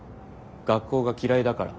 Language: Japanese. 学校が嫌いだから。